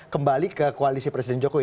kembali ke koalisi presiden jokowi